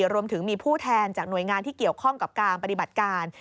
รวมถึงมีผู้แทนจากหน่วยงานที่เกี่ยวข้องกับการปฏิบัติการ